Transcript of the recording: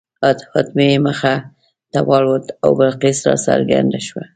هدهد مې مخې ته والوت او بلقیس راڅرګنده شوه.